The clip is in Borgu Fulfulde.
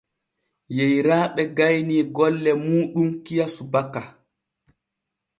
Yeyraaɓe gaynii golle muuɗum kiya subaka.